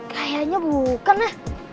kayaknya bukan ya